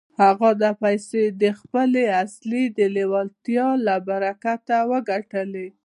هغه دا پيسې د خپلې اصلي لېوالتيا له برکته وګټلې.